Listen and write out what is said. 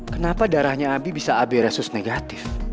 kenapa darahnya abi bisa ab resus negatif